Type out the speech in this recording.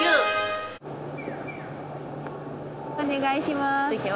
お願いします。